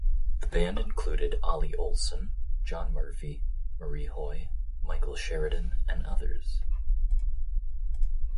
The band included Ollie Olsen, John Murphy, Marie Hoy, Michael Sheridan, and others.